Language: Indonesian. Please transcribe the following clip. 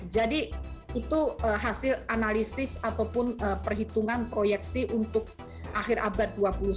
jadi itu hasil analisis ataupun perhitungan proyeksi untuk akhir abad dua puluh satu